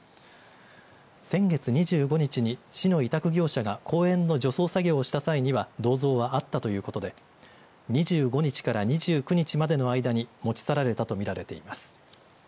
先月２５日に市の委託業者が公園の除草作業をした際には銅像はあったということで２５日から２９日までの間に持ち去られたと見られています。